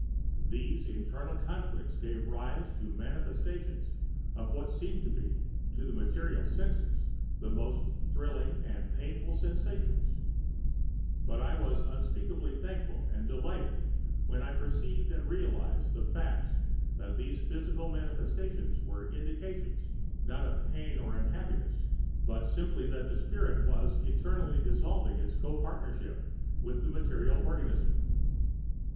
These internal conflicts gave rise to manifestations of what seemed to be, to the material senses, the most thrilling and painful sensations; but I was unspeakably thankful and delighted when I perceived and realized the fact that those physical manifestations were[Pg 196] indications, not of pain or unhappiness, but simply that the spirit was eternally dissolving its co partnership with the material organism.